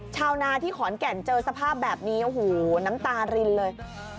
ชาวนาที่ขอนแก่นเจอสภาพแบบนี้โอ้โหน้ำตารินเลย